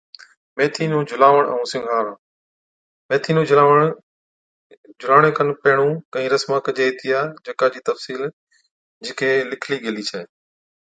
ميٿِي نُون جھُلاوَڻ ائُون سِِنگارڻ، ميٿي نُون جھُلاوَڻي کن پيھڻُون ڪھِين رسما ڪجي ھِتيا، جڪا چِي تفصِيل جھِڪي لِکلِي گيلِي ڇَي